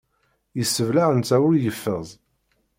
Yesseblaɛ netta ul yeffiẓ.